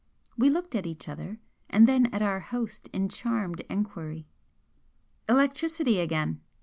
We looked at each other and then at our host in charmed enquiry. "Electricity again!"